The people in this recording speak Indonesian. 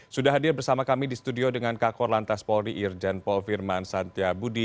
sudah hadir bersama kami di studio dengan kak kor lantas polri irjan paul firman santya budi